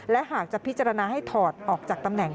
และหากจะพิจารณาให้ถอดออกจากตำแหน่ง